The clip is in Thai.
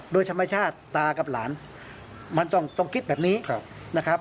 โดยธรรมชาติตากับหลานมันต้องคิดแบบนี้นะครับ